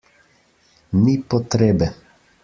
Ni potrebe.